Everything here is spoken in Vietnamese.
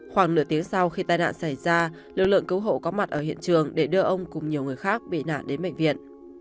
khoảng nửa tiếng sau khi tai nạn xảy ra lực lượng cứu hộ có mặt ở hiện trường để đưa ông cùng nhiều người khác bị nạn đến bệnh viện